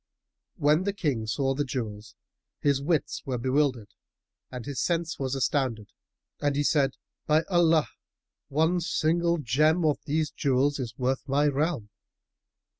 When the King saw the jewels, his wits were bewildered and his sense was astounded and he said, "By Allah, one single gem of these jewels is worth my realm!"